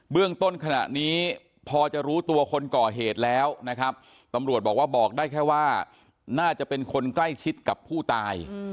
เรื่องต้นขณะนี้พอจะรู้ตัวคนก่อเหตุแล้วนะครับตำรวจบอกว่าบอกได้แค่ว่าน่าจะเป็นคนใกล้ชิดกับผู้ตาย